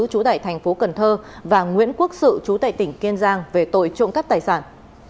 chú tại thành phố cần thơ và nguyễn quốc sự chú tại tỉnh kiên giang về tội trộm cắp tài sản